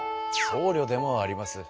僧侶でもあります。